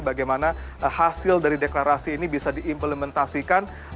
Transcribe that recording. bagaimana hasil dari deklarasi ini bisa diimplementasikan